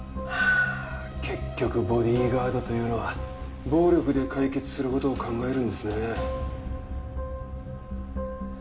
結局ボディーガードというのは暴力で解決する事を考えるんですね。